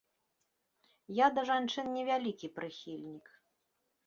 Я да жанчын невялікі прыхільнік.